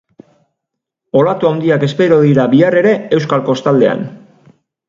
Olatu handiak espero dira bihar ere euskal kostaldean.